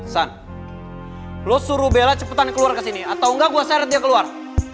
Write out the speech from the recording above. sam lo suruh bella cepetan keluar kesini atau engga gue seret dia keluar